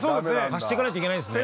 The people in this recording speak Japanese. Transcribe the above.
発していかないといけないんですね。